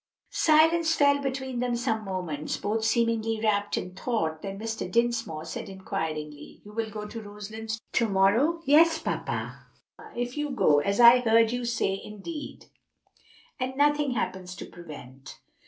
'" Silence fell between them for some moments, both seemingly wrapped in thought; then Mr. Dinsmore said inquiringly, "You will go to Roselands to morrow?" "Yes, papa, if you go, as I heard you say you intended, and nothing happens to prevent.